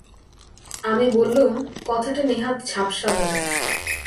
আমি বললুম, কথাটা নেহাত ঝাপসা হল।